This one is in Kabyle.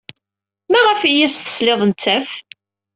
Maɣef ay as-tesliḍ i nettat?